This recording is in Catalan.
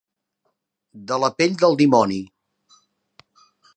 De la pell del dimoni.